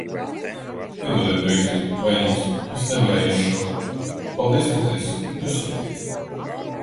-Piedodiet, priekšniek, vainīgs. Es nevarēju izšaut. -Paldies, paldies. Jūs varat iet.